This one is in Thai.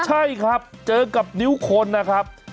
ใช่ครับเจอกับนิ้วคนนะครับ